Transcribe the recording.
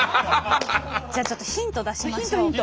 じゃあちょっとヒント出しましょう。